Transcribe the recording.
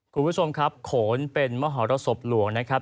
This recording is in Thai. คุณผู้ชมครับโขนเป็นมหรสบหลวงนะครับ